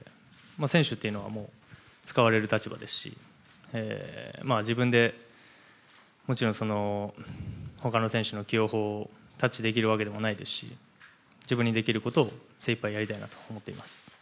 選手というのは使われる立場ですし自分で、もちろん他の選手の起用法をタッチできるわけでもないですし自分にできることを精いっぱいやりたいなと思っています。